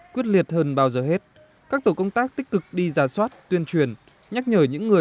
quyết liệt hơn bao giờ hết các tổ công tác tích cực đi ra soát tuyên truyền nhắc nhở những người